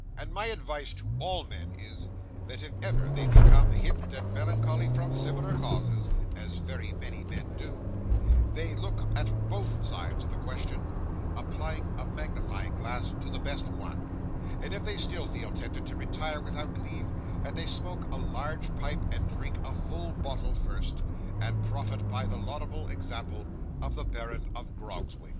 And my advice to all men is, that if ever they become hipped and melancholy from similar causes (as very many men do), they look at both sides of the question, applying a magnifying glass to the best one; and if they still feel tempted to retire without leave, that they smoke a large pipe and drink a full bottle first, and profit by the laudable example of the Baron of Grogzwig.